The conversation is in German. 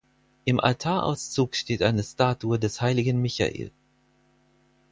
Im Altarauszug steht eine Statue des heiligen Michael.